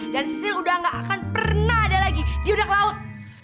dan sisil udah gak akan pernah ada lagi di udang laut